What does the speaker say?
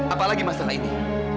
apalagi masalah ini